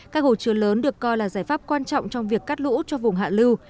các hồ chứa lớn được coi là giải pháp quan trọng trong việc cắt lũ cho vùng hạ lưu